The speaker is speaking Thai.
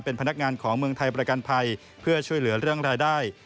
เป็นพนักงานของเมืองไทยประกันภัยเพื่อช่วยเหลือเรื่องรายได้